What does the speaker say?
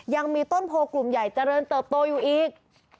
ยังมีต้นโพกลุ่มใหญ่เจริญเติบโตอยู่อีก